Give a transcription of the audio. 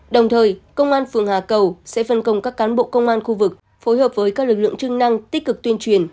đồng thời công an phường hà cầu sẽ phân công các cán bộ công an khu vực phối hợp với các lực lượng chức năng tích cực tuyên truyền